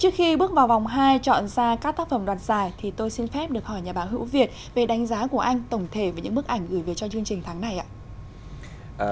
trước khi bước vào vòng hai chọn ra các tác phẩm đoạt giải thì tôi xin phép được hỏi nhà báo hữu việt về đánh giá của anh tổng thể về những bức ảnh gửi về cho chương trình tháng này ạ